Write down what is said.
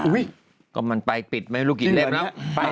ก็มันไปปิดไม่รู้กี่เล่มแล้ว